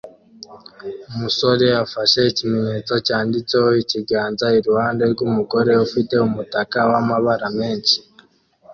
Umusore afashe ikimenyetso cyanditseho ikiganza iruhande rwumugore ufite umutaka wamabara menshi